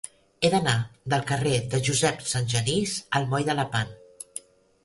He d'anar del carrer de Josep Sangenís al moll de Lepant.